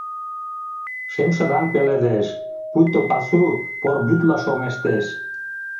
Шемшыдаҥ пеледеш, пуйто пасу пор вӱдла шоҥештеш.